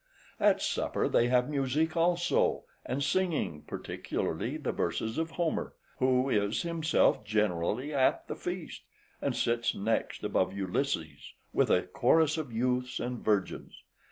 At supper they have music also, and singing, particularly the verses of Homer, who is himself generally at the feast, and sits next above Ulysses, with a chorus of youths and virgins.